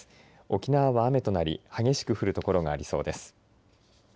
沖縄は雨となり激しく降る所がありそうです。